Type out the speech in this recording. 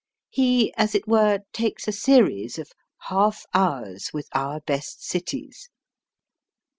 He, as it were, takes a series of "Half Hours with Our Best Cities."